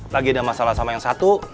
lagi ada masalah sama yang satu